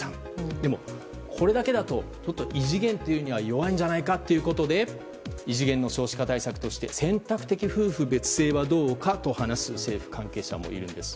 でも、これだけだとちょっと異次元というには弱いんじゃないかということで異次元の少子化対策として選択的夫婦別姓はどうかと話す政府関係者もいるんです。